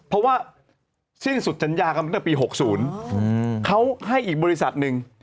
เพราะว่าสิ้นสุดสัญญากันตั้งแต่ปี๖๐เขาให้อีกบริษัทหนึ่ง